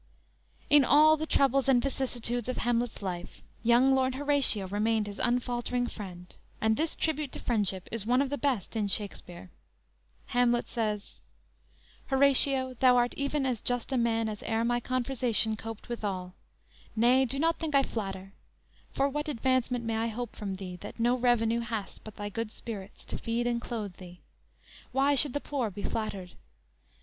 "_ In all the troubles and vicissitudes of Hamlet's life, young Lord Horatio remained his unfaltering friend; and this tribute to friendship is one of the best in Shakspere. Hamlet says: _"Horatio, thou art even as just a man As e'er my conversation coped withal, Nay, do not think I flatter; For what advancement may I hope from thee, That no revenue hast but thy good spirits, To feed and clothe thee? Why should the poor be flattered?